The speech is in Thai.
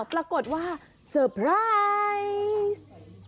ปรากฏว่าเซอร์ไพรส์